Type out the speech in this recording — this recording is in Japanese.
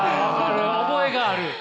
覚えがある！